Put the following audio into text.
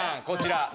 こちら。